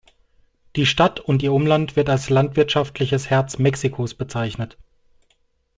Die Stadt und ihr Umland wird als "landwirtschaftliches Herz Mexikos" bezeichnet.